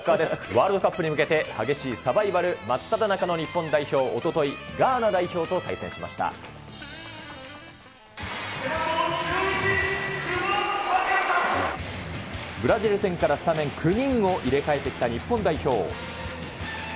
ワールドカップに向けて、激しいサバイバル真っただ中の日本代表、おととい、ガーナ代表と背番号１１、ブラジル戦からスタメン９人を入れ替えてきた日本代表。